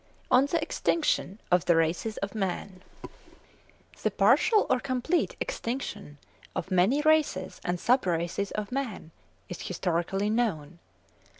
ON THE EXTINCTION OF THE RACES OF MAN. The partial or complete extinction of many races and sub races of man is historically known.